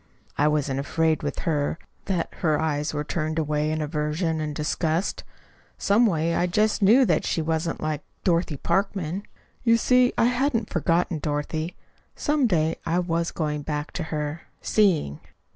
I wasn't afraid with her that her eyes were turned away in aversion and disgust. Some way, I just knew that she wasn't like Dorothy Parkman. You see, I hadn't forgotten Dorothy. Some day I was going back to her seeing.